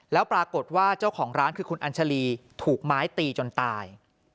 แล้วปรากฏว่าเจ้าของร้านคือคุณอัญชาลีถูกไม้ตีจนตาย